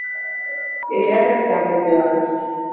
Ihero chamo nyoyo .